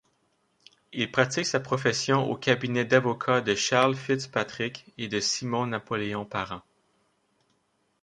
Il pratique sa profession au cabinet d'avocat de Charles Fitzpatrick et de Simon-Napoléon Parent.